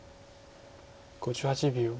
５８秒。